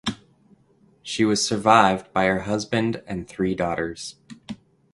She was survived by her husband and three daughters.